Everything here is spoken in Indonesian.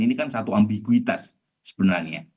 ini kan satu ambiguitas sebenarnya